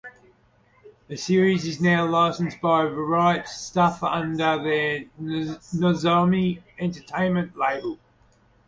The series is now licensed by Right Stuf under their Nozomi Entertainment label.